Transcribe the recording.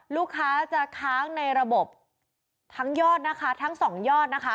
ลูกค้าจะค้างในระบบทั้งยอดนะคะทั้งสองยอดนะคะ